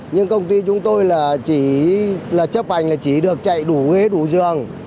nhưng công ty chúng tôi là chấp ảnh là chỉ được chạy đủ ghế đủ giường